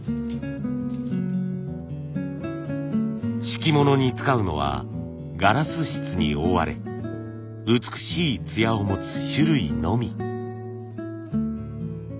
敷物に使うのはガラス質に覆われ美しい艶を持つ種類のみ。